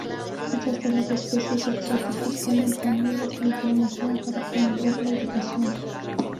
Muchas de las especies exóticas tienen paneles de información para promover la educación.